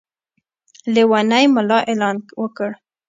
لېونی ملا اعلان وکړ.